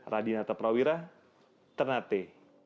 radinata prawira ternate